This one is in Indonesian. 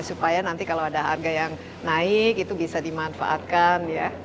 supaya nanti kalau ada harga yang naik itu bisa dimanfaatkan ya